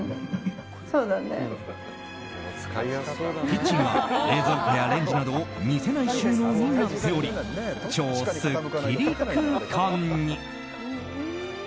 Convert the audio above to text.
キッチンは冷蔵庫やレンジなどを見せない収納になっており超すっきり空間に。